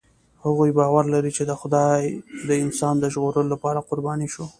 هغوی باور لري، چې خدای د انسان د ژغورلو لپاره قرباني شو.